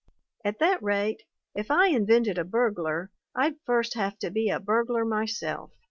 At that rate, if I invented a burglar, I'd first have to be a burglar myself